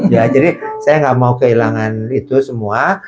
saya tidak mau kehilangan itu semua